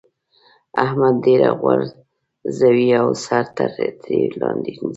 احمد ډبره غورځوي او سر ترې لاندې نيسي.